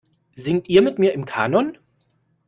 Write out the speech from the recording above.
Singt ihr mit mir im Kanon?